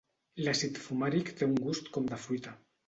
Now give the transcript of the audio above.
L'àcid fumàric té un gust com de fruita.